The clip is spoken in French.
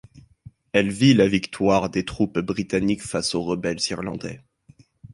Elle vit la victoire des troupes britanniques face aux rebelles irlandais.